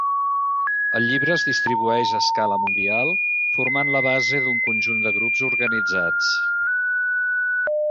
El llibre es distribueix a escala mundial, formant la base d'un conjunt de grups organitzats.